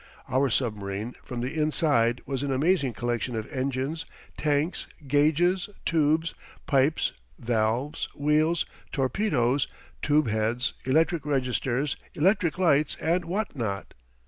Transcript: Our submarine, from the inside, was an amazing collection of engines, tanks, gauges, tubes, pipes, valves, wheels, torpedoes, tube heads, electric registers, electric lights, and whatnot.